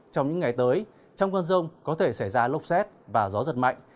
trong những ngày tới trong cơn rông có thể xảy ra lốc xét và gió giật mạnh